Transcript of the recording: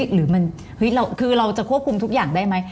หรือมันคือเราจะควบคุมทุกอย่างได้ไหม